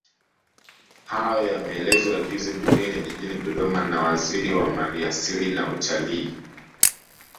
Hayo yameelezwa juzi bungeni Jijini Dodoma na Waziri wa Maliasili na Utalii